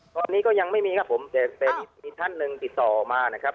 ตอนนี้ก็ยังไม่มีครับผมแต่มีท่านหนึ่งติดต่อมานะครับ